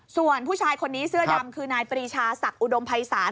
ส่วนผู้ชายคนนี้เสื้อดำคือนายปรีชาศักดิ์อุดมภัยศาล